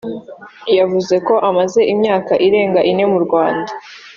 yavuze ko amaze imyaka irenga ine mu Rwanda